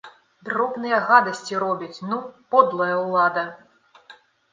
Дробныя гадасці робяць, ну, подлая ўлада!